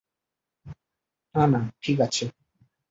না, না, ঠিক আছে।